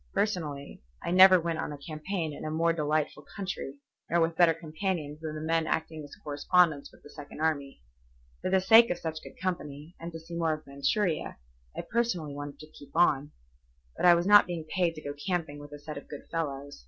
Personally, I never went on a campaign in a more delightful country nor with better companions than the men acting as correspondents with the Second Army. For the sake of such good company, and to see more of Manchuria, I personally wanted to keep on. But I was not being paid to go camping with a set of good fellows.